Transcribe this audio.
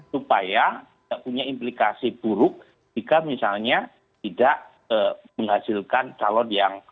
supaya tidak punya implikasi buruk jika misalnya tidak menghasilkan calon yang